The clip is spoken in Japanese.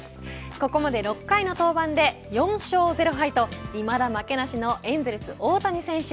ここまで６回の登板で４勝０敗といまだ負けなしのエンゼルス大谷選手。